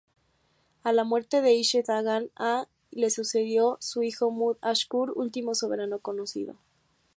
A la muerte de Ishme-Dagan I, le sucedió su hijo Mut-Ashkur, último soberano conocido.